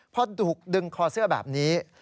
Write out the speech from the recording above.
พอถูกดึงคอเสื้อแบบนี้